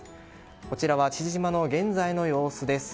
こちらは父島の現在の様子です。